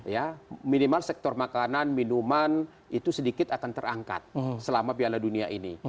ya minimal sektor makanan minuman itu sedikit akan terangkat selama piala dunia ini